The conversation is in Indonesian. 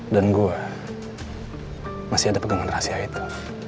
dan gue masih ada pegangan rahasia itu